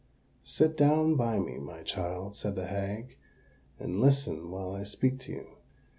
"Sit down by me, my child," said the hag, "and listen while I speak to you."